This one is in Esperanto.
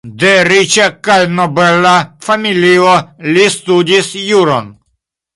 De riĉa kaj nobela familio, li studis juron.